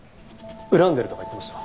恨んでるとか言ってました？